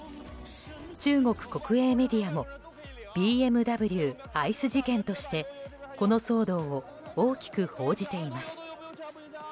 中国国営メディアもＢＭＷアイス事件としてこの騒動を大きく報じています。